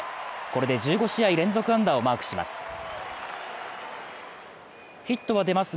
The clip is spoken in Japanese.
これで１５試合連続安打をマークします。